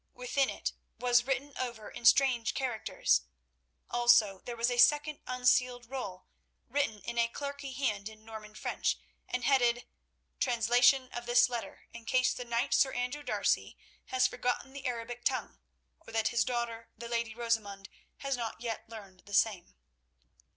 Within it was written over in strange characters. Also, there was a second unsealed roll, written in a clerkly hand in Norman French, and headed, "Translation of this letter, in case the knight, Sir Andrew D'Arcy, has forgotten the Arabic tongue, or that his daughter, the lady Rosamund, has not yet learned the same."